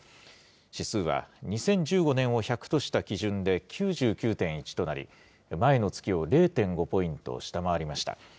指数は２０１５年を１００とした基準で９９．１となり、前の月を０．５ポイント下回りました。